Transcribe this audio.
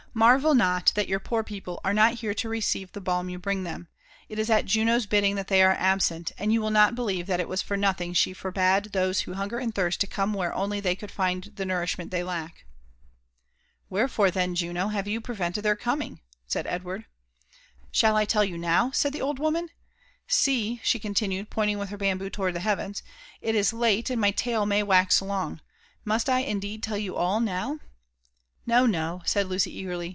" Marvel not that your poor people are not here to receive the balm you bring them. It h at Juno's bidding that Uiey are absent; and you will not believe that it was for nothing she forbad those who hunger and thirst to come where foly they could find the nourfehmeat they lack." " Wherefore, then, Juno, have you prevented their comingT' teid Bdward. '* Shall I tell you now r ' said the old woman. *^ See," she conti nued, pointing with her bamboo towards the heavens, '' it is late, and my tale may wax long :— must I indeed tetl you all now V ''No, no,'* said Lucy eagerly.